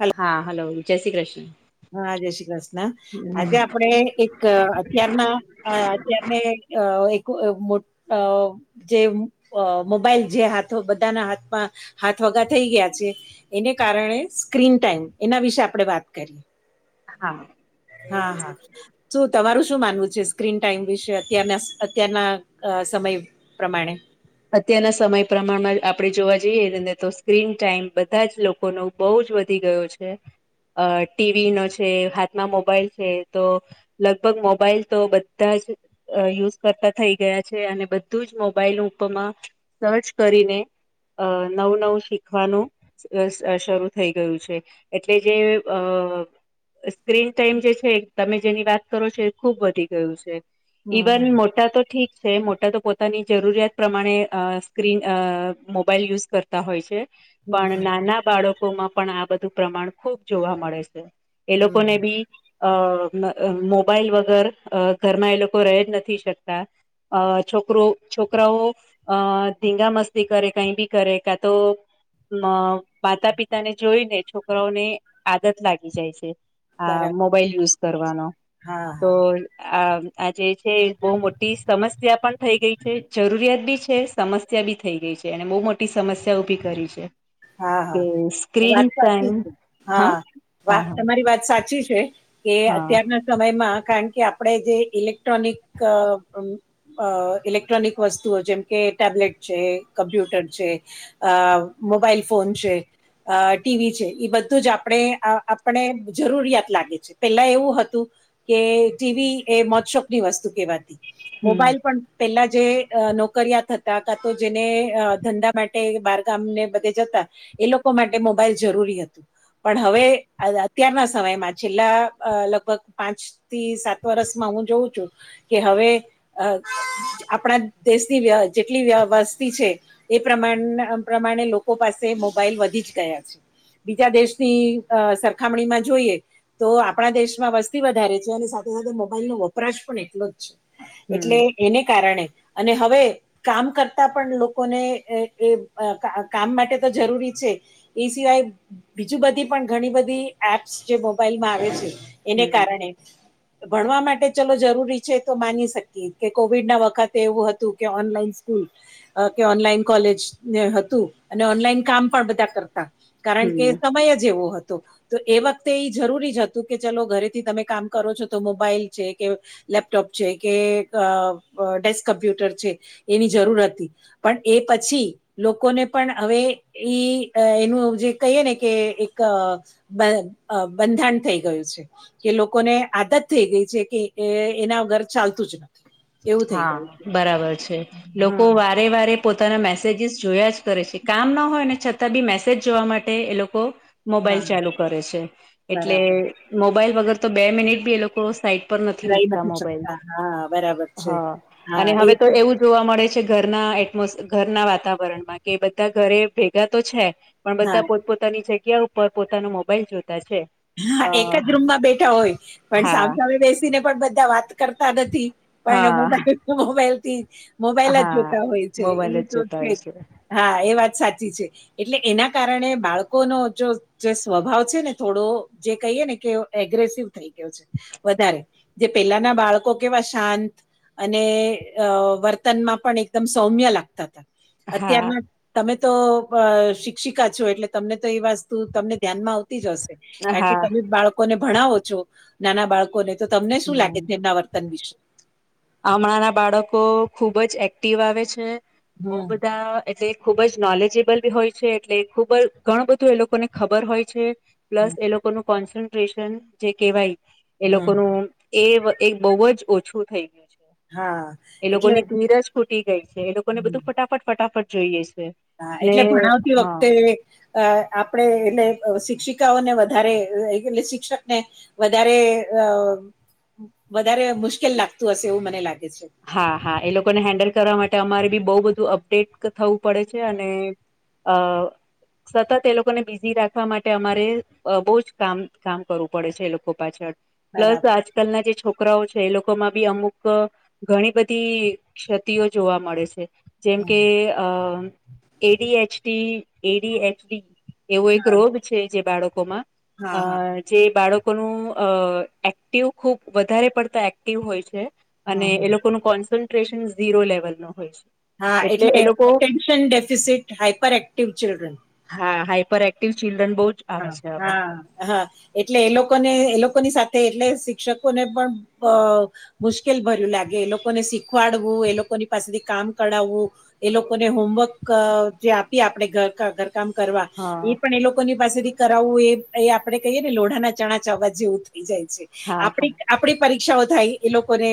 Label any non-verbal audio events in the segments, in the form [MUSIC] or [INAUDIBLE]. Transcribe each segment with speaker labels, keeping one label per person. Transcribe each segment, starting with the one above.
Speaker 1: Hello
Speaker 2: હા hello જય શ્રી કૃષ્ણ
Speaker 1: હા જય શ્રી કૃષ્ણ આજે આપડે એક અત્યારના હા અત્યાર ને એક મો અ જે અ મોબાઈલ જે હાથ બધાના હાથમાં હાથ વગા થઈ ગયા છે. એને કારણે સ્ક્રીન ટાઈમ એના વિશે આપણે વાત કરીએ
Speaker 2: હા
Speaker 1: હા હા શું તમારું શું માનવું છે સ્ક્રીન ટાઈમ વિશે અત્યારના સ અત્યારના અ સમય પ્રમાણે
Speaker 2: અત્યારના સમય પ્રમાણમાં આપડણે જોવા જઈએ તો સ્ક્રીન ટાઈમ બધા જ લોકોનો બહુ જ વધી ગયો છે અ ટીવી નો છે હાથમાં મોબાઈલ છે તો લગભગ મોબાઈલ તો બધા જ અ યુઝ કરતા થઈ ગયા છે અને બધું જ મોબાઈલ ઉપરમાં સર્ચ કરીને અ નવું નવું શીખવાનું શ શરૂ થઈ ગયું છે એટલે કે અ સ્ક્રીન ટાઈમ જે છે તમે જેની વાત કરો છો એ ખુબ વધી ગયું છે
Speaker 1: હમ
Speaker 2: ઇવન
Speaker 1: હમ
Speaker 2: મોટા તો ઠીક છે મોટા તો પોતાની જરૂરિયાત પ્રમાણે અ સ્ક્રીન અ મોબાઈલ યુઝ કરતા હોય છે પણ
Speaker 1: હમ
Speaker 2: નાના બાળકો માં પણ આ બધું પ્રમાણ ખુબ જોવા મળે છે એ
Speaker 1: હમ હમ.
Speaker 2: લોકોને બી અ અ મોબાઈલ વગર અ ઘરમાં એ લોકો રહે જ નથી શકતા અ છોકરો છોકરાઓ અ ધીંગા મસ્તી કરે કઈ ભી કરે કા તો અ માતા પિતા ને જોઈને છોકરાઓને આદત લાગી જાય છે. આ
Speaker 1: બરાબર
Speaker 2: મોબાઈલ યુઝ કરવાનો
Speaker 1: હા
Speaker 2: તો
Speaker 1: હા
Speaker 2: આ આ જેે છે એ બહુ મોટી સમસ્યા પણ થઈ ગઈ છે જરૂરિયાત બી છે સમસ્યા બી થઈ ગઈ છે અને બહુ મોટી સમસ્યા ઉભી કરી છે.
Speaker 1: હા
Speaker 2: કે
Speaker 1: હા
Speaker 2: સ્ક્રીન
Speaker 1: વાત સાચી
Speaker 2: ટાઈમ
Speaker 1: છે હા
Speaker 2: હા
Speaker 1: વાત
Speaker 2: હા
Speaker 1: તમારી વાત સાચી છે કે
Speaker 2: હા
Speaker 1: અત્યારના સમયમાં કારણ કે આપડે જે ઇલેક્ટ્રોનિક અ અ ઇલેક્ટ્રોનિક વસ્તુઓ જેમ કે ટેબ્લેટ છે કમ્પ્યુટર છે. અ મોબાઈલ ફોન છે. અ ટીવી છે એ બધું જ આપણે આપણે જરૂરિયાત લાગે છે પેલા એવું હતું કે ટીવી એ મોજશોખની વસ્તુ કહેવાતી
Speaker 2: હમ
Speaker 1: મોબાઈલ પણ પેલા જે અ નોકરિયાત હતા કા તો જેને અ ધંધા માટે બારગામ ને બધે જતા એ લોકો માટે મોબાઈલ જરૂરી હતું પણ હવે અત્યારના સમયમાં છેલ્લા અ લગભગ પાંચ થી સાત વર્ષમાં હું જોઉં છું કે હવે અ આપણા દેશની વ જેટલી વ વસ્તી છે. એ પ્રમા પ્રમાણે લોકો પાસે મોબાઈલ વધી જ ગયા છે. બીજા દેશની અ સરખામણી માં જોઈએ. તો આપણા દેશમાં વસ્તી વધારે છે અને સાથે સાથે મોબાઈલનો વપરાશ પણ એટલો જ છે. એટલે
Speaker 2: હમ
Speaker 1: એને કારણે અને હવે કામ કરતા પણ લોકોને એ એઅ કામ માટે તો જરૂરી છે એ સિવાય બીજું બધી પણ ઘણી બધી એપ્સ જે મોબાઈલમાં આવે છે એને
Speaker 2: હમ
Speaker 1: કારણે ભણવા માટે ચલો જરૂરી છે તો માની શકીએ કે કોવિડ ના વખતે એવું હતું કે ઓનલાઈન સ્કૂલ કે ઓનલાઈન કોલેજને હતું અને ઓનલાઈન કામ પણ બધા કરતા કારણ કે
Speaker 2: હમ
Speaker 1: સમય જ એવો હતો. તો એ વખતે ઈ જરૂરી જ હતું કે ચલો ઘરેથી તમે કામ કરો છો તો મોબાઈલ જે કે લેપટોપ છે કે અ અડેસ્ક કમ્પ્યુટર છે એની જરૂર હતી પણ એ પછી લોકોને પણ હવે ઈ અ એનું જે કહીએ ને કે એક બ અ બંધાણ થઈ ગયું છે. કે લોકોને આદત થઈ ગઈ છે કે એ એના ઘર ચાલતું જ નથી. એવું થઈ
Speaker 2: હા,
Speaker 1: ગયું છે
Speaker 2: બરાબર છે લોકો
Speaker 1: હા
Speaker 2: વાત રવિવારે પોતાના મેસેજસ જોયા જ કરે છે કામ ન હોય ને છતાં બી મેસેજ જોવા માટે એ લોકો
Speaker 1: હા
Speaker 2: મોબાઈલ ચાલુ કરે છે. એટલે
Speaker 1: બરાબર
Speaker 2: મોબાઈલ વગર તો બે મિનિટ બી એ લોકો સાઈટ પર નથી
Speaker 1: રહી
Speaker 2: મુકતા મોબાઈલ
Speaker 1: શકતા હા, બરાબર. છે
Speaker 2: હા, અને
Speaker 1: હા એ
Speaker 2: હવે તો એવું જ જોવા મળે છે. ઘરના એટમોસ ઘરના વાતાવરણમાં કે બધા ઘરે ભેગા તો છે. પણ
Speaker 1: હા
Speaker 2: બધા પોતપોતાની જગ્યા ઉપર પોતાનું મોબાઈલ જોતા છે.
Speaker 1: હા,
Speaker 2: અ
Speaker 1: એક જ રૂમમાં બેઠા હોય પણ સામ
Speaker 2: હા
Speaker 1: સામે બેસીને પણ બધા વાત કરતા નથી. પણ
Speaker 2: હા
Speaker 1: મોબાઈલ મોબાઈલ થી મોબાઈલ જ
Speaker 2: હા
Speaker 1: જોતા હોય છે
Speaker 2: મોબાઈલ
Speaker 1: ઈ તો
Speaker 2: જોતા
Speaker 1: છે
Speaker 2: હોય
Speaker 1: જ. હા, એ વાત સાચી છે. એટલે એના કારણે બાળકોનો જો જે સ્વભાવ છે ને થોડો જે કહીએ ને કે એગ્રેસિવ થઈ ગયો છે. વધારે જે પેલાના બાળકો કેવા શાંત અને અ વર્તનમાં પણ એકદમ સૌમ્ય લાગતા તા.
Speaker 2: હા
Speaker 1: અત્યારના તમે તો અ શિક્ષિકા છો એટલે તમને તો એ વસ્તુ તમને ધ્યાનમાં આવતી જ હશે. કારણ કે
Speaker 2: હા
Speaker 1: તમે બાળકોને ભણાવો છો નાના બાળકોને તો તમને શું લાગે તેમના વર્તન વિશે.
Speaker 2: હમણાં ના બાળકો ખુબ જ એક્ટિવ આવે છે બઉ
Speaker 1: હમ,
Speaker 2: બધા એટલે ખુબ જ નોલેજેબલ બી હોય છે એટલે ખૂબ જ ઘણું બધું એ લોકોને ખબર હોય છે. પ્લસ
Speaker 1: હમ.
Speaker 2: એ લોકોનું કોન્સન્ટ્રેશન જે કહેવાય, એ
Speaker 1: હમ,
Speaker 2: લોકોનું એ એ બહુ જ ઓછું થઈ ગયું છે.
Speaker 1: હા
Speaker 2: એ
Speaker 1: એટલે
Speaker 2: લોકોની ધીર જ ખૂટી ગઈ છે. એ લોકોને
Speaker 1: હમ.
Speaker 2: બધું ફટાફટ- ફટાફટ જોઈએ છે.
Speaker 1: હા,
Speaker 2: ને
Speaker 1: એટલે ભણાવતી
Speaker 2: હા
Speaker 1: વખતે અ આપણે એટલે શિક્ષિકાઓને વધારે એટલે શિક્ષક ને વધારે અ વધારે મુશ્કેલ લાગતું હશે એવું મને લાગે છે.
Speaker 2: હા, હા, એ લોકોને હેન્ડલ કરવા માટે અમારે બી બહુ બધું અપડેટ થવું પડે છે. અને અ. સતત એ લોકોને બિઝી રાખવા માટે અમારે અ બહુ જ કામ- કામ કરવું પડે છે એ લોકો પાછળ પ્લસ
Speaker 1: બરાબર
Speaker 2: આજકાલના જે છોકરાઓ છે એ લોકોમાં બી અમુક ઘણી બધી ક્ષતિઓ જોવા મળે છે, જેમ કે અ એડી એચડી એડી એચડી એવો એક
Speaker 1: હા
Speaker 2: રોગ છે, જે બાળકોમાં
Speaker 1: હા
Speaker 2: અ
Speaker 1: હા
Speaker 2: જે બાળકોનું અ એક્ટિવ ખુબ વધારે પડતા એક્ટિવ હોય છે.
Speaker 1: હા
Speaker 2: અને એ લોકોનું કોન્સન્ટ્રેશન ઝીરો લેવલનો હોય
Speaker 1: હા
Speaker 2: છે
Speaker 1: એટલે
Speaker 2: એ લોકો
Speaker 1: attention deficit hyper active children
Speaker 2: હા હાઈપર એક્ટિવ ચિલ્ડ્રન બો જ આવે
Speaker 1: હા
Speaker 2: છે હવે
Speaker 1: હા હા. એટલે એ લોકોને એ લોકોની સાથે એટલે શિક્ષકોને પણ અ મુશ્કેલ ભર્યું લાગે એ લોકોને શીખવાડવું એ લોકોની પાસેથી કામ કઢાવવું એ લોકોને હોમવર્ક જે આપીએ આપણે ઘરકા ઘરકામ કરવા
Speaker 2: હા
Speaker 1: ઈ પણ એ લો પાસેથી કરાવવું એ એ આપડે કહીએ ને લોઢાંના ચણા ચાવવા જેવું થઇ જાય છે.
Speaker 2: હા હા
Speaker 1: આપડી આપડી પરીક્ષાઓ થાય એ લોકોને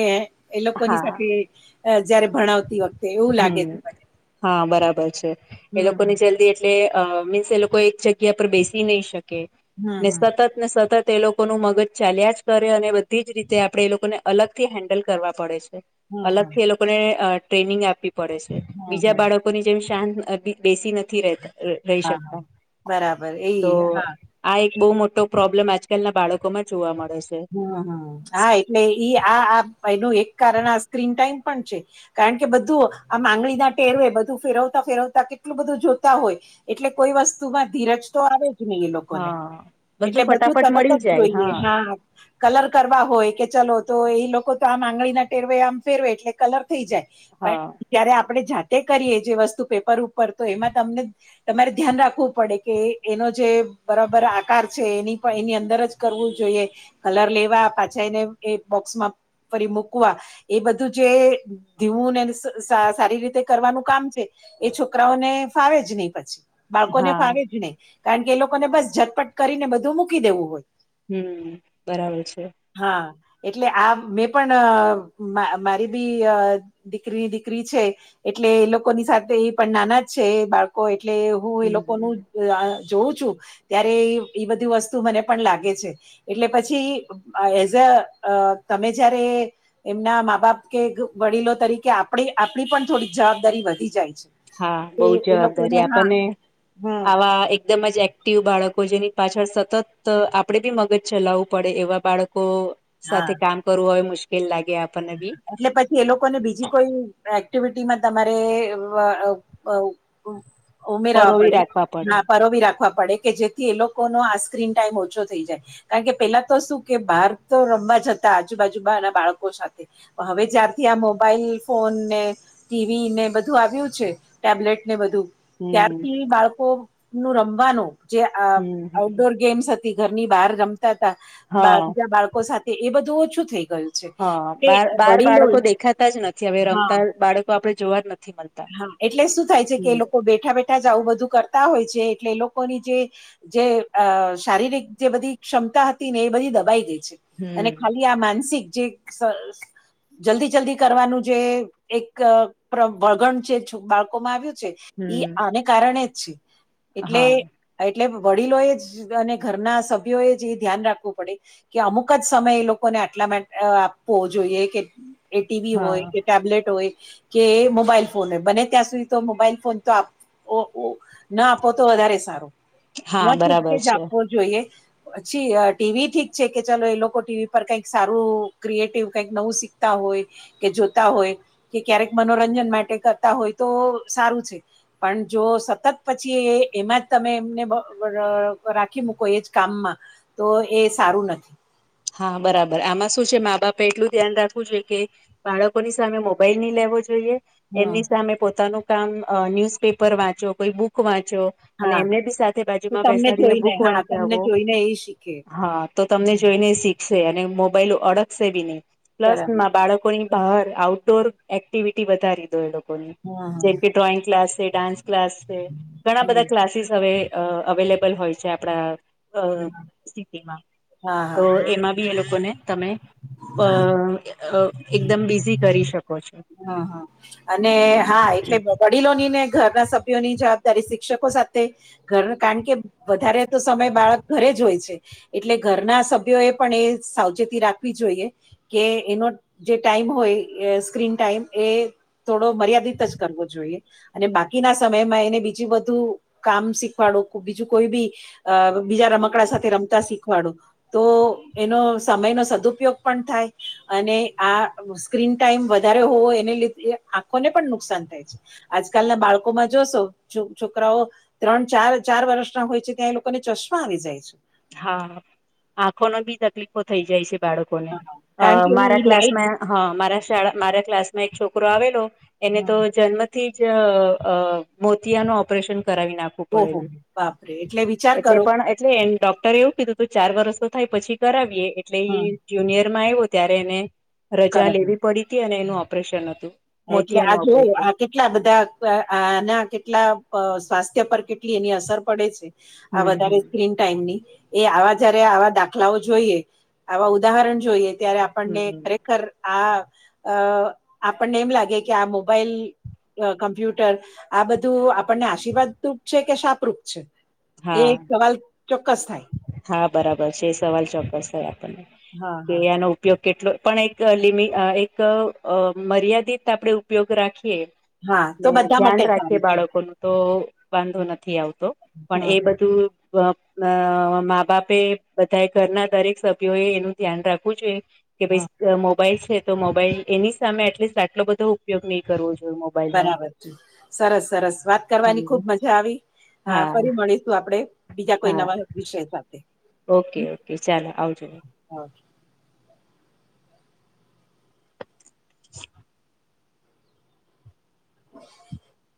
Speaker 1: એ લોકોની
Speaker 2: હા
Speaker 1: સાથે અ જયારે ભણાવતી વ
Speaker 2: હમ્મ હા બરાબર છે, એ
Speaker 1: હમ
Speaker 2: લોકોની જલ્દી એટલે અ મીન્સ એ લોકો એક જગ્યા પર બેસી નહીં શકે ને
Speaker 1: હમ હમ
Speaker 2: સતત ને સતત એ લોકોનું મગજ ચાલ્યા જ કરે અને બધી જ રીતે આપણે એ લોકોને અલગથી હેન્ડલ કરવા પડે છે.
Speaker 1: હમ
Speaker 2: અલગથી એ લોકોને અ ટ્રેનિંગ આપવી પડે છે,
Speaker 1: હમ
Speaker 2: બીજા
Speaker 1: હમ
Speaker 2: બાળ કોની જેમ શાંત હજી બેસી નથી રેતા રહી
Speaker 1: હા હા હા હા
Speaker 2: શકતા
Speaker 1: બરાબર એ
Speaker 2: તો
Speaker 1: હા
Speaker 2: આ એક બો મોટો પ્રોબ્લેમ આજકાલના બાળકોમાં જોવા મળે છે.
Speaker 1: હ હ હા એટલે ઈ આ આ એનું એક કારણ આ સ્ક્રીન ટાઈમ પણ છે. કારણ કે બધું આમ આંગળીના ટેરવે બધું ફેરવતા ફેરવતા કેટલું બધું જોતા હોય એટલે કોઈ વસ્તુમાં ધીરજ તો આવે જ ની લોકોને
Speaker 2: હા
Speaker 1: એટલે બધું
Speaker 2: ફટાફટ
Speaker 1: તરત
Speaker 2: મળી
Speaker 1: જ
Speaker 2: જાય
Speaker 1: જોઈએ હા કલર કરવા હોય કે ચલો તો એ લોકો તો આમ આંગળીના ટેરવે આમ ફેરવે એટલે કલર થઈ જાય. પણ
Speaker 2: હા
Speaker 1: જ્યારે આપણે જાતે કરીએ જે વસ્તુ પેપર ઉપર તો એમાં તમને તમારે ધ્યાન રાખવું પડે કે એનો જે બરાબર આકાર છે, એની પણ એની અંદર જ કરવું જોઈએ કલર લેવા પાછા એને એ બોક્સમાં ફરી મૂકવા એ બધું જે ધીવું ને સ સારી રીતે કરવાનું કામ છે, એ છોકરાઓને ફાવે જ નહી પછ બાળકોને
Speaker 2: હા
Speaker 1: ફાવે જ નહી. કારણ કે એ લોકોને બસ ઝટપટ કરીને બધું મૂકી દેવું હોય.
Speaker 2: હમ્મ બરાબર છે.
Speaker 1: હા એટલે આ મેં પણ મારી બી દીકરી દીકરી છે, એટલે એ લોકોની સાથે એ પણ નાના જ છે, એ બાળકો એટલે હું એ
Speaker 2: હમ
Speaker 1: લોકોનું લા જોઉં છું ત્યારે એ બધી વસ્તુ મને પણ લાગે છે, એટલે પછી એઝ અ તમે જ્યારે એમના માં બાપ કે વડીલો તરીકે આપડી આપડી પણ થોડીક જવાબદારી વધી જાય છે.
Speaker 2: હા બો
Speaker 1: એ- એ
Speaker 2: જવાબદારી
Speaker 1: લોકોને હા
Speaker 2: આપણને
Speaker 1: હમ
Speaker 2: આવા એ દમ જ એક્ટિવ બાળકો જેની પાછળ સતત આપણે બી મગજ ચલાવવું પડે એવા બાળકો
Speaker 1: હા
Speaker 2: સાથે કામ કરવું હવે મુશ્કેલ લાગે આપણને બી
Speaker 1: એટલે પછી એ લોકોને બીજી કોઈ એક્ટિવિટીમાં તમારે અ ઉ ઉમેરવા
Speaker 2: પરોવી
Speaker 1: પડે
Speaker 2: રાખવા પડે
Speaker 1: ના પરોવી રાખવા પડે કે જેથી એ લોકોનો આ સ્ક્રીન ટાઈમ ઓછો થઈ જાય કારણ કે પેલા તો શું કે બહાર તો રમવા જતા આજુબાજુમાંના બાળકો સા હવે જ્યારથી આ મોબાઈલ ફોનને ટીવીને બધું આવ્યું છે, ટેબ્લેટને એ બધું
Speaker 2: હમ
Speaker 1: ત્યારથી બાળકોનું રમવાનું જે
Speaker 2: હમ હમ
Speaker 1: આઉટડોર ગેમ્સ હ તી ઘરની બહાર રમતાતા બાર
Speaker 2: હા
Speaker 1: બીજા બાળકો સાથે એ બધું ઓછું થઈ ગયું છે
Speaker 2: હ
Speaker 1: કે
Speaker 2: બાર બાર
Speaker 1: વડીલો
Speaker 2: બાળકો દેખાતા જ નથી. હવે
Speaker 1: હા
Speaker 2: રમતા બાળકો આપડે જોવા જ ન
Speaker 1: હા એટલે શું થાય છે, કે એ લોકો બેઠા બેઠા જ આવું બધું કરતા હોય છે, એટલે એ લોકોની જે જે અ શારીરિક જે બધી ક્ષમતા હતી ને એ બધી દબાઈ ગય છે. અને
Speaker 2: હમ
Speaker 1: ખાલી આ માનસિક જે સ જલ્દી જલ્દી કરવાનું જે એક પ્ર- વળગણ જે બાળકોમાં આવ્યું છે. ઈ
Speaker 2: હમ
Speaker 1: આને કારણે જ છે, એટલે
Speaker 2: હા
Speaker 1: એટલે વડીલોએ જ અને ઘરના સભ્યોએ જ એ ધ્યાન રાખવું પડે કે અમુક જ સમય એ લોકોને આટલા મા અ આપવો જોઈએ કે એ ટીવી હોય
Speaker 2: હા
Speaker 1: કે ટેબલેટ હોય કે મો બાઈલ ફોન હોય બને ત્યાં સુધી તો મોબાઈલ ફોન તો આપ વોઓ ના આપો તો વધારે સારુ
Speaker 2: હા
Speaker 1: ન છૂટકે
Speaker 2: બરાબર
Speaker 1: જ
Speaker 2: છે
Speaker 1: આપવો જોઈએ પછી ટીવી ઠીક છે, કે ચાલો એ લોકો ટીવી પર કંઈક સારું ક્રિએટિવ કંઈક નવું શીખતા હોય કે જોતા હોય કે ક્યારેક મનોરંજન માટે કરતા હોય તો સારું છે. પણ જો સતત પછી એ એમાં જ તમે એમને બ ર રાખી મૂકો એ જ કામમાં તો એ સારું નથી
Speaker 2: હા બરાબર આમાં શું છે, મા બાપે એટલું ધ્યાન રાખવું જોઈએ કે બાળકોની સામે મોબાઈલ ની લેવો જોઈએ
Speaker 1: હમ
Speaker 2: એમની સામે પોતાનું કામ અ ન્યુઝપેપર વાંચો કોઈ બુક વાંચો અને
Speaker 1: હા
Speaker 2: એમને બી સાથે
Speaker 1: તો
Speaker 2: બાજુમાં
Speaker 1: તમને
Speaker 2: બેસાડીને
Speaker 1: જોઈને
Speaker 2: બુક
Speaker 1: હા તમને
Speaker 2: વંચાવો
Speaker 1: જોઈને એ શીખે
Speaker 2: હા તો તમને જોઈને શીખશે અને મોબાઈલ અડકશે બી નહી પ્લસ
Speaker 1: બરાબર
Speaker 2: બાળકોની [UNINTELLIGIBLE] આઉટડોર એક્ટિવિટી વધારી દો એ લો કોની
Speaker 1: હા હા
Speaker 2: જેમ કે ડ્રોઈંગ ક્લાસ છે, ડાન્સ ક્લાસ છે, ઘણા
Speaker 1: હા
Speaker 2: બધા ક્લાસીસ હવે અ અવેલેબલ હોય છે, આપણા અ સિટીમાં
Speaker 1: હા
Speaker 2: તો
Speaker 1: હા
Speaker 2: એ [UNINTELLIGIBLE] એ લોકોને તમે અ અ એકદમ બિઝી કરી શકો છો
Speaker 1: હા અને હા એટલે વડીલોનીને ઘરના સભ્યોની જવાબદારી શિક્ષકો સાથે ઘર કારણ કે વધારે તો સમય બાળક ઘરે જ હોય છે, એટલે ઘરના સભ્યો એ પણ એ સાવચેતી રાખવી જોઈએ કે એનો જે ટાઈમ હોય સ્ક્રીન ટાઈમ એ થોડો મર્યાદિત જ કરવો જોઈએ અને બાકીના સમયમાં એને બીજું બધું કામ શીખવાડું બીજું કોઈ બી અ બીજા રમકડા સાથે રમતા શીખવાડો તો એનો સમયનો સદુપયોદ પણ થાય અને આ સ્ક્રીન ટાઈમ વધારે હોવો એને લીધે આંખોને પણ નુકસાન થાય છે. આજકાલના બાળકોમાં જોશો જો છોકરાઓ ત્રણ ચાર ચાર વર્ષના હોય છે, ત્યાં એ લોકોને ચશ્મા આવી જાય છે.
Speaker 2: હા આંખો ની બી તકલીફો થઈ જાય છે, બાળકોને અ
Speaker 1: કારણ કે એ
Speaker 2: મારા
Speaker 1: લાઈટ
Speaker 2: ક્લાસમાં હ મારા શાળા મારા ક્લાસમાં એક છોકરો આવેલો એને તો જન્મ થી જ અ મોતયાનો ઓપરેશન કરાવી ના
Speaker 1: ઓ હો હો બાપ રે એટલે વિચાર કરો
Speaker 2: [UNINTELLIGIBLE] ડોક્ટરે એવું કીધું તો ચાર વરસનો થાય પછી કરાવીએ એટલે
Speaker 1: હમ
Speaker 2: એ જુનિયર માં આયવો ત્યારે એને રજા
Speaker 1: કરાવી
Speaker 2: લેવી પડી હતી અને એનું ઓપરેશન હતું.
Speaker 1: એટલે
Speaker 2: મોતિયાનું
Speaker 1: આજ જોવું
Speaker 2: ઓપરેશન
Speaker 1: આ કે કેટલા બધા ક આના કેટલા અહ સ્વાસ્થ્ય પર કેટલી એની અસર પડે છે. આ
Speaker 2: હમ
Speaker 1: વધારે
Speaker 2: હમ
Speaker 1: સ્ક્રીન ટાઈમની એ આવા જયારે આવા દાખલાઓ જોઈએ આવા ઉદાહરણ જોઈએ ત્યારે આપ આપણને
Speaker 2: હમ
Speaker 1: ખરેખર આ અહ આપણને એમ લાગે કે આ મોબાઈલ કમ્પ્યુટર આ બધું આપણને આશીર્વાદરૂપ છે કે શાપરૂપ છે એ
Speaker 2: હા
Speaker 1: એક સવાલ ચોક્કસ થાય
Speaker 2: હા બરાબર છે એ સવાલ ચોક્કસ થાય આપણને
Speaker 1: હા
Speaker 2: કે
Speaker 1: હા
Speaker 2: આનો ઉપયોગ કેટલો પણ એક લિમિ અહ એક મર્યાદિત આપણેે ઉપયોગ રાખીએ
Speaker 1: હા તો
Speaker 2: ને
Speaker 1: બધા
Speaker 2: ધ્યાન
Speaker 1: માટે
Speaker 2: રાખીએ
Speaker 1: સારું છે
Speaker 2: બાળકો નું તો વાંધો નથી આવતો પણ
Speaker 1: હા
Speaker 2: એ
Speaker 1: હા
Speaker 2: બધું સ્વપ્ન મા બાપે બધાએ ઘરના દરેક સભ્યો એ એનું ધ્યાન રાખવું જોઈ કે ભાઈ મોબાઈલ છે તો મોબાઈલ એની સામે એટલીસ્ટ આટલો બધો ઉપયોગ નહી કરવો જોઈએ મો
Speaker 1: બરાબર છે સરસ સરસ વાત કરવાની
Speaker 2: હમ
Speaker 1: ખુબ મજા આવી હા ફરી મળીશું આપડે બીજા કોઈ
Speaker 2: હા
Speaker 1: નવા વિષય સાથે
Speaker 2: ઓકે
Speaker 1: હમ,
Speaker 2: ઓકે ચાલો આવજો
Speaker 1: હા
Speaker 2: [INAUDIBLE]
Speaker 1: [INAUDIBLE]